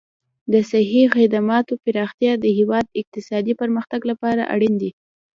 د صحي خدماتو پراختیا د هېواد اقتصادي پرمختګ لپاره اړین دي.